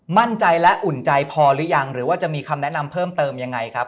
มั่นใจและอุ่นใจพอหรือยังหรือว่าจะมีคำแนะนำเพิ่มเติมยังไงครับ